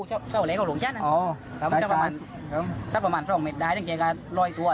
ถ้าเฉยถ้ามารยาระศักดิ์เยอะยังจะล่อยเท้าอัลลูกว่า